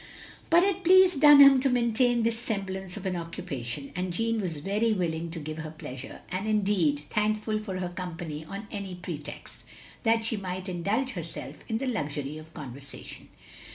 But it pleased Dunham to maintain this sem blance of an occupation, and Jeanne was very willing to give her pleasure, and indeed, thank fvl for her company on any pretext, that she might indulge herself in the luxury of conversation.